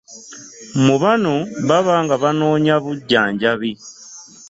Mbu bano baba nga banoonya bujjanjabi.